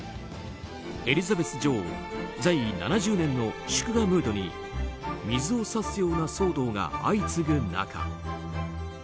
エリザベス女王在位７０年の祝賀ムードに水を差すような騒動が相次ぐ中